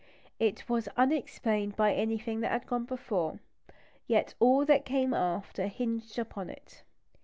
It was unexplained by anything that had gone before; yet all that came after hinged upon it.